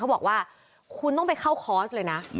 บอกว่าคุณต้องไปเข้าคอร์สเลยนะ